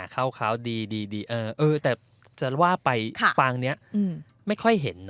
เข้าเขาดีแต่จะว่าไปปางนี้ไม่ค่อยเห็นนะ